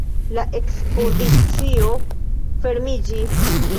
La ekspozicio fermiĝis.